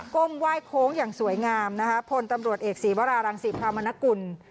้มไหว้โค้งอย่างสวยงามนะคะพลตำรวจเอกศีวรารังศรีพรามนกุล